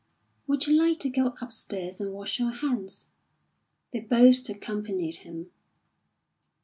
"Would you like to go upstairs and wash your hands?" They both accompanied him.